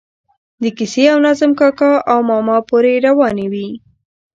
د کیسې او نظم کاکا او ماما پورې روانې وي.